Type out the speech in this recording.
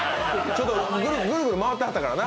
ぐるぐる回ってはったからな。